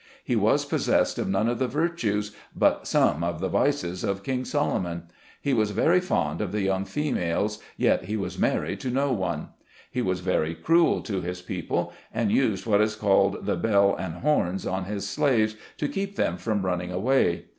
He was possessed of none of the virtues, but some of the vices of King Solomon. He was very fond of the young females, yet he was married to no one. He was very cruel to his people, and used what is called the bell and horns on his slaves, to keep them from running away.